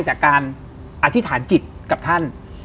จากการอธิษฐานจิตกับท่าน